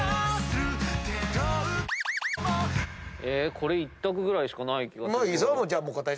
これ一択ぐらいしかない気がする。